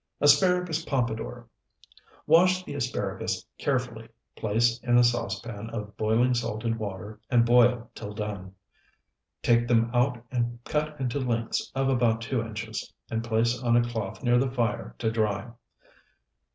ASPARAGUS POMPADOUR Wash the asparagus carefully, place in a saucepan of boiling salted water, and boil till done. Take them out and cut into lengths of about two inches, and place on a cloth near the fire to dry.